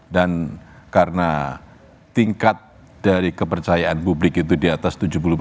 dan karena tingkat dari kepercayaan publik itu diatas tujuh puluh